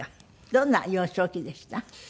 どんな幼少期でした？